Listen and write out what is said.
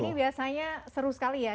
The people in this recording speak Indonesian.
ini biasanya seru sekali ya